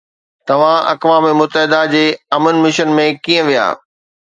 توهان اقوام متحده جي امن مشن ۾ ڪيئن ويا؟